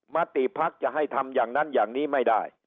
มติภักดิ์จะให้ทำอย่างนั้นอย่างนี้ไม่ได้